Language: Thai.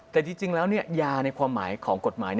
แต่จริงแล้วยาในความหมายของกฎหมาย